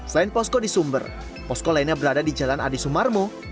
selain posko di sumber posko lainnya berada di jalan adi sumarmo